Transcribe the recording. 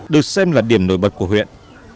được xem là điểm nổi bật của huyện